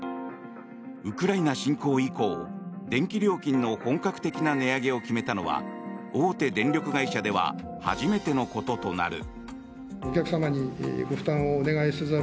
ウクライナ侵攻以降電気料金の本格的な値上げを決めたのは大手電力会社では初めてのこととなる。